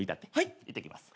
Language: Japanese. いってきます。